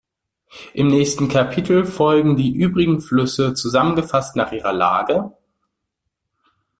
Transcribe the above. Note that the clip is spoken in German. Im nächsten Kapitel folgen die übrigen Flüsse zusammengefasst nach ihrer Lage.